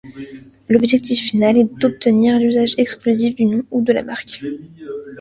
L'objectif final est d'obtenir l'usage exclusif du nom ou de la marque.